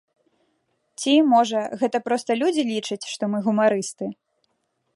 Ці, можа, гэта проста людзі лічаць, што мы гумарысты?